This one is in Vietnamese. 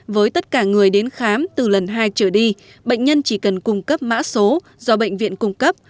với tất cả người đến khám từ lần hai trở đi bệnh nhân chỉ cần cung cấp mã số do bệnh viện cung cấp